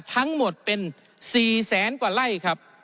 ทั้งหมดเป็น๔แสนกว่าไร่ครับ